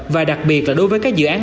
và đặc biệt là đối với các dự án